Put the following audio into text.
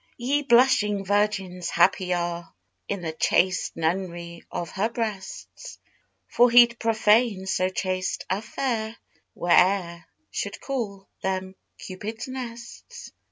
Ye blushing Virgins happy are In the chaste Nunn'ry of her breasts, For he'd profane so chaste a fair, Whoe'er should call them Cupid's nests.